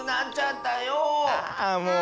あもう。